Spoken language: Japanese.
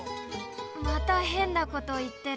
またへんなこといってる。